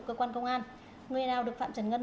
cơ quan công an người nào được phạm trần ngân